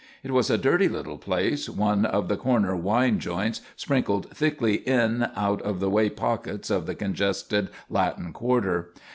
It was a dirty little place, one of the corner "wine joints" sprinkled thickly in out of the way pockets of the congested Latin quarter.